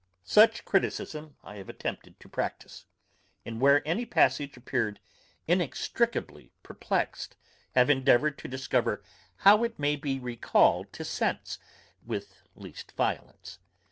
Such criticism I have attempted to practice, and where any passage appeared inextricably perplexed, have endeavoured to discover how it may be recalled to sense, with least violence.